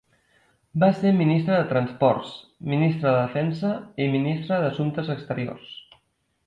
Va ser ministre de Transports, ministre de Defensa i ministre d'Assumptes Exteriors.